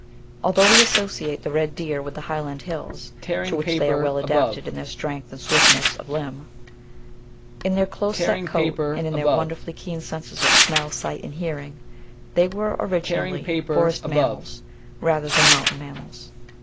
Although we associate the Red Deer with the Highland hills, to which they are well adapted in their strength and swiftness of limb, in their close set coat, and in their wonder fully keen senses of smell, sight, and hearing, they were originally forest mammals rather than mountain mammals.